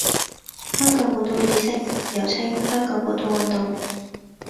香港本土意識，又稱香港本土運動